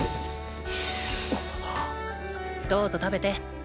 どうぞ食べて。